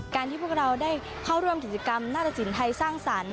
ที่พวกเราได้เข้าร่วมกิจกรรมนาตสินไทยสร้างสรรค์